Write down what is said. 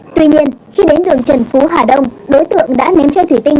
tuy nhiên khi đến đường trần phú hà đông đối tượng đã ném chơi thủy tinh